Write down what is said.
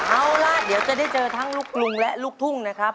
เอาล่ะเดี๋ยวจะได้เจอทั้งลูกกรุงและลูกทุ่งนะครับ